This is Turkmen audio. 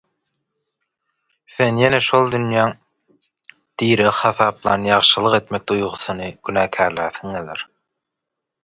Sen ýene şol dünýäň diregi hasaplan ýagşylyk etmek duýgusyny günäkärläsiň geler.